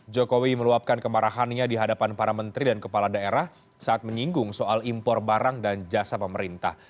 jokowi meluapkan kemarahannya di hadapan para menteri dan kepala daerah saat menyinggung soal impor barang dan jasa pemerintah